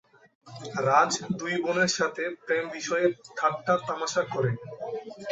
রাজ দুই বোনের সাথে প্রেম বিষয়ে ঠাট্টা-তামাশা করে।